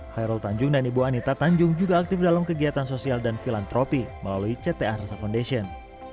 hairul tanjung dan ibu anita tanjung juga aktif dalam kegiatan sosial dan filantropi melalui ct arsa foundation